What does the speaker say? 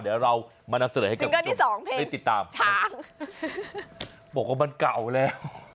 เดี๋ยวเรามานับเสริมให้คุณผู้ชมซิงเกิลที่สองเพลงช้างบอกว่ามันเก่าแล้ว